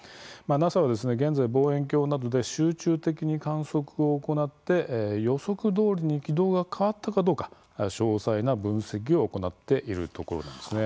ＮＡＳＡは現在、望遠鏡などで集中的に観測を行って予測どおりに軌道が変わったかどうか詳細な分析を行っているところなんです。